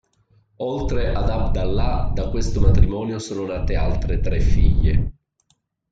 Oltre ad Abd Allah da questo matrimonio sono nate altre tre figlie.